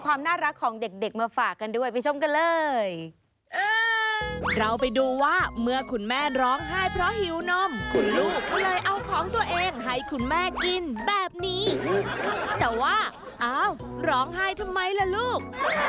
แต่ว่าร้องไห้ทำไมล่ะลูก